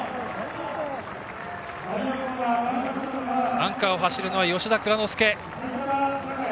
アンカーを走るのは吉田蔵之介。